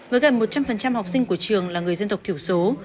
với gần một trăm linh học sinh của trường là người dân tộc thiểu số